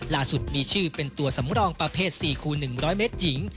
ล่าสุดมีชื่อเป็นตัวสำรองประเภท๔คูณ๑๐๐เมตรหญิง